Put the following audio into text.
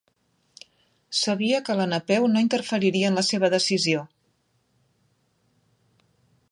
Sabia que la Napeu no interferiria en la seva decisió.